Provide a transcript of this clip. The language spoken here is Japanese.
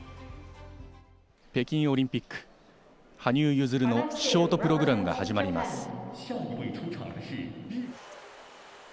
北京オリンピック羽生結弦のショートプログラムが始まります。